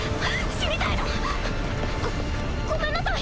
死にたいの⁉ごごめんなさい。